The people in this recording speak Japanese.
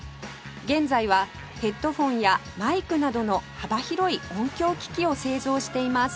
現在はヘッドホンやマイクなどの幅広い音響機器を製造しています